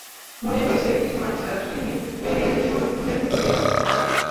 মনে হয়েছে কিছু মানুষ তাঁর টিভি রিয়েলিটি শোর ব্যক্তিত্বকে পছন্দ করে ফেলেছিল।